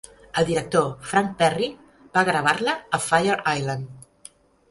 El director Frank Perry va gravar-la a Fire Island.